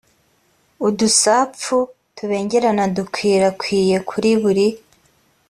udusapfu tubengerana dukwirakwiye kuri buri